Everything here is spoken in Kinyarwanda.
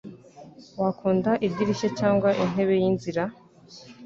Wakunda idirishya cyangwa intebe yinzira?